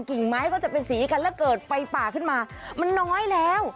กิ่งไม้ก็จะเป็นสีกันแล้วเกิดไฟป่าขึ้นมามันน้อยแล้ว